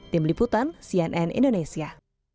tim liputan cnn indonesia